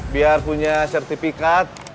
biar punya sertifikat